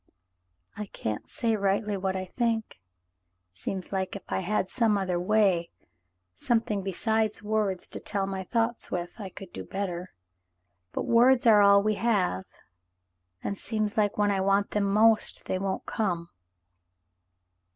"I can't say rightly what I think. Seems like if I had some other way — something besides words to tell my thoughts with, I could do it better ; but words are all we have — and seems like when I want them most they won't come."